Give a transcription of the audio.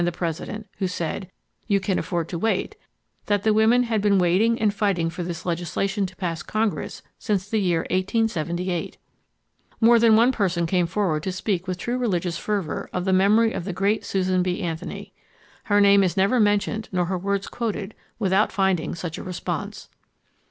the President who said, "You can afford to wait," that the women had been waiting and fighting for this legislation to pass Congress since the year 1878. More than one person came forward to speak with true religious fervor of the memory of the great Susan B. Anthony. Her name is never mentioned nor her words quoted without finding such a response.